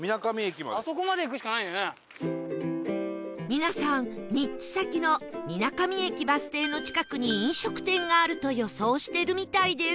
皆さん３つ先の水上駅バス停の近くに飲食店があると予想してるみたいです